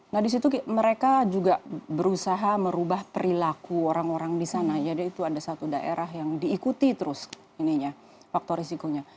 nah di situ mereka juga berusaha merubah perilaku orang orang di sana ya itu ada satu daerah yang diikuti terus ininya faktor resikonya